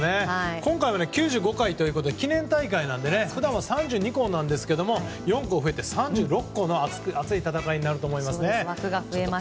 今回は９５回ということで記念大会なので普段は３２校ですが４校増えて３６校の熱い戦いになると思いますね。